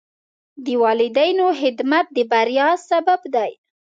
د والدینو خدمت د بریا سبب دی.